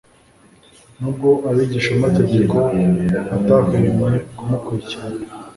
Nubwo abigishamategeko batahwemye kumukurikirana,